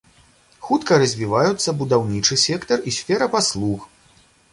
Хутка развіваюцца будаўнічы сектар і сфера паслуг.